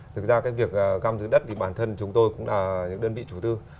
thực ra cái việc găm giữ đất thì bản thân chúng tôi cũng là những đơn vị chủ tư